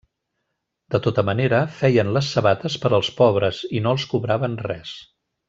De tota manera, feien les sabates per als pobres i no els cobraven res.